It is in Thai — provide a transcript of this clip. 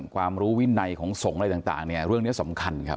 ความรู้วินัยของสงฆ์อะไรต่างเนี่ยเรื่องนี้สำคัญครับ